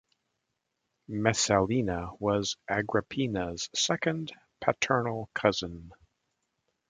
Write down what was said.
Messalina was Agrippina's second paternal cousin.